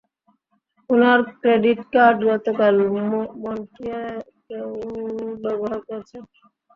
উনার credit card গতকাল মন্ট্রিয়ালে কেউ ব্যাবহার করেছেন।